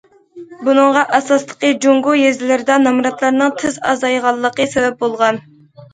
بۇنىڭغا، ئاساسلىقى، جۇڭگو يېزىلىرىدا نامراتلارنىڭ تېز ئازايغانلىقى سەۋەب بولغان.